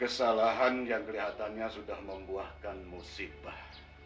kesalahan yang kelihatannya sudah membuahkan musibah